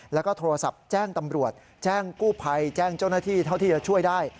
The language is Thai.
แล้วก็โทรศัพท์แจ้งตำรวจแจ้งกู้ภัยแจ้งเจ้าหน้าที่เท่าที่จะช่วยได้